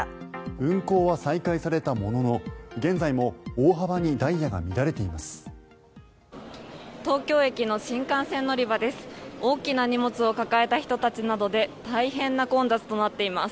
運行は再開されたものの現在も大幅にダイヤが乱れています。